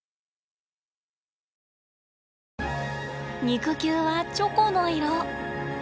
肉球はチョコの色。